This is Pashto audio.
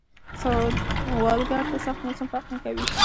سوالګر ته سخت موسم فرق نه کوي